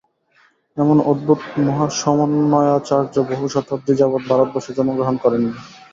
এমন অদ্ভুত মহাসমন্বয়াচার্য বহুশতাব্দী যাবৎ ভারতবর্ষে জন্মগ্রহণ করেননি।